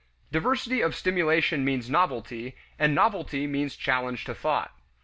Diversity of stimulation means novelty, and novelty means challenge to thought.